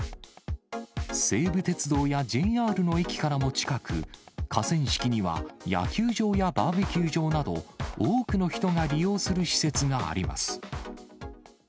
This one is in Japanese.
西武鉄道やＪＲの駅からも近く、河川敷には野球場やバーベキュー場など、多くの人が利用する施設があります。